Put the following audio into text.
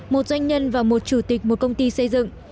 một doanh nhân và một chủ tịch một công ty xây dựng